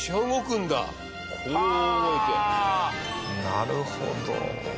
なるほど。